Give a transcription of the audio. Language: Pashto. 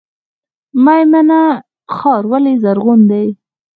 میمنه ښار ولې زرغون دی؟